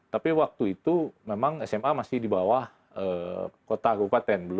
tapi waktu itu memang sma masih di bawah kota kabupaten